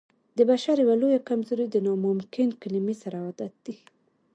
د بشر يوه لويه کمزوري د ناممکن کلمې سره عادت دی.